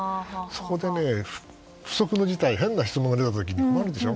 そこで不測の事態変な質問が出たとき困るでしょ。